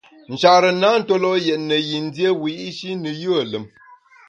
Nchare na ntue lo’ yètne yin dié wiyi’shi ne yùe lùm.